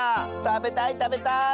たべたいたべたい！